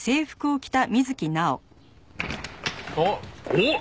おっ？